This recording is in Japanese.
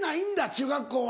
中学校は。